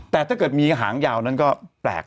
แต่ถ้าเกิดมีหางยาวนั้นก็แปลก